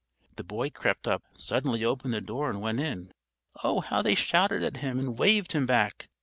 The boy crept up, suddenly opened the door and went in. Oh, how they shouted at him and waved him back!